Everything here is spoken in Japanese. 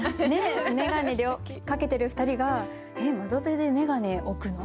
眼鏡をかけてる２人が窓辺で眼鏡置くの？